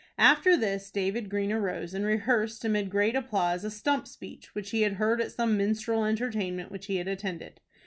After this, David Green arose, and rehearsed amid great applause a stump speech which he had heard at some minstrel entertainment which he had attended.